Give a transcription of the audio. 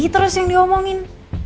nici terus yang diomongin